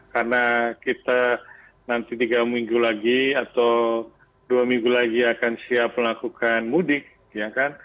karena kita nanti tiga minggu lagi atau dua minggu lagi akan siap melakukan mudik